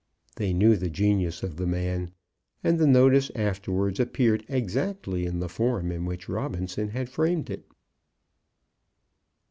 They knew the genius of the man, and the notice afterwards appeared exactly in the form in which Robinson had framed it.